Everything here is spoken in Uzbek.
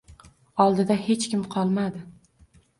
Oldida hech kim qolmadi.